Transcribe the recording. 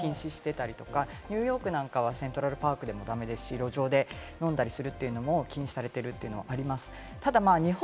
禁止してたりとか、ニューヨークなんかはセントラルパークでも駄目ですし、路上で飲んだりするというのも禁止されているというのがあります。